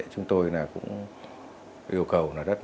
chúng tôi cũng yêu cầu